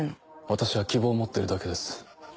私は希望を持ってるだけです。